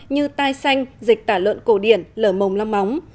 như tai xanh dịch tả lợn cổ điển lở mồng lăm móng